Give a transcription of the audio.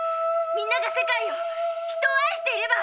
みんなが世界を人を愛していれば！